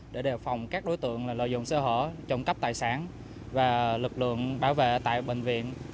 để đề phòng các đối tượng lợi dụng sơ hở trộm cắp tài sản và lực lượng bảo vệ tại bệnh viện